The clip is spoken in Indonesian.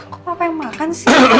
kok apa yang makan sih